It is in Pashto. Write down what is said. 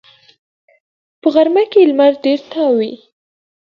په غرمه کې لمر ډېر تاو وي